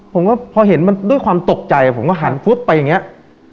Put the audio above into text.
ผมก็พอเห็นมันด้วยความตกใจผมก็หันปุ๊บไปอย่างนี้